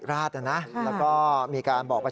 อย่าเพิ่งค่ามันก่อนนะ